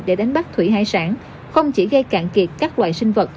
để đánh bắt thủy hải sản không chỉ gây cạn kiệt các loài sinh vật